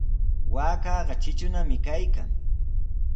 Waakaqa tritrunami kaykan.